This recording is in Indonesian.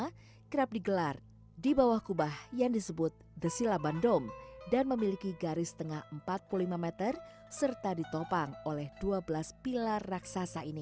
kota kerap digelar di bawah kubah yang disebut the sila bandung dan memiliki garis tengah empat puluh lima meter serta ditopang oleh dua belas pilar raksasa ini